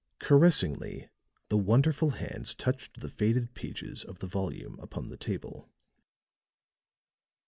Caressingly, the wonderful hands touched the faded pages of the volume upon the table.